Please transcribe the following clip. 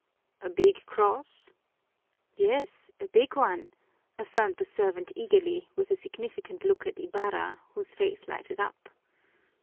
"A big cross?" "Yes, a big one!" affirmed the servant eagerly, with a significant look at Ibarra, whose face lighted up.